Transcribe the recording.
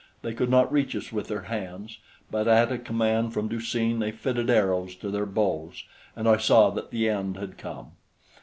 They could not reach us with their hands; but at a command from Du seen they fitted arrows to their bows, and I saw that the end had come.